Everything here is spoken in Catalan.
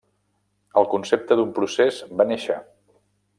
El concepte d'un procés va néixer.